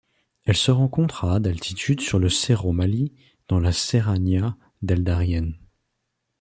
Elle se rencontre à d'altitude sur le Cerro Mali dans la Serranía del Darién.